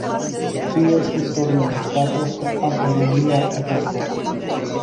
Ties historio datas de antaŭromia epoko.